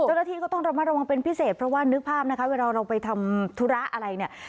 เจ้าหน้าที่ก็ต้องระมัดระวังเป็นพิเศษเพราะว่านึกภาพนะคะเวลาเราไปทำธุระอะไรเนี่ย